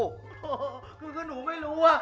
โฮฮ่อกูก็หนูไม่รู้ว่า